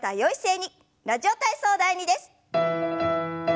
「ラジオ体操第２」です。